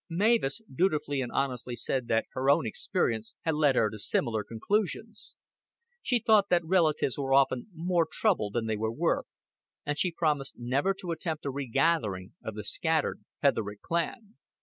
Mavis dutifully and honestly said that her own experience had led her to similar conclusions. She thought that relatives were often more trouble than they were worth, and she promised never to attempt a regathering of the scattered Petherick clan.